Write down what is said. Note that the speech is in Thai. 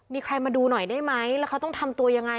มีใครมาดูหน่อยได้ไหมแล้วเขาต้องทำตัวยังไง